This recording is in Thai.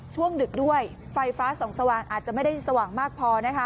ดึกด้วยไฟฟ้าส่องสว่างอาจจะไม่ได้สว่างมากพอนะคะ